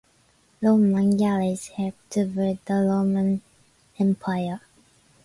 Roman galleys helped to build the Roman Empire.